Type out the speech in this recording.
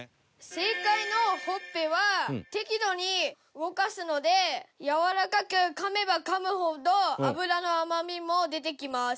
正解のほっぺは適度に動かすのでやわらかくかめばかむほど脂の甘みも出てきます。